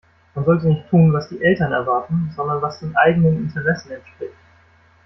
Man sollte nicht tun, was die Eltern erwarten, sondern was den eigenen Interessen entspricht.